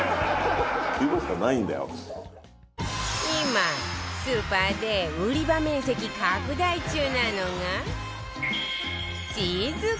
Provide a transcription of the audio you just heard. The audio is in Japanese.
今スーパーで売り場面積拡大中なのが